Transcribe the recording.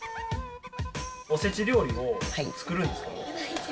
おせち料理を作るんですか？